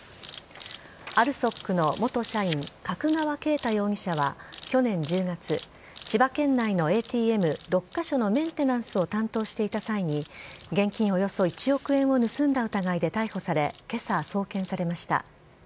ＡＬＳＯＫの元社員角川恵太容疑者は去年１０月千葉県内のＡＴＭ６カ所のメンテナンスを担当していた際に現金およそ１億円を盗んだ疑いで逮捕され今朝、送検されました。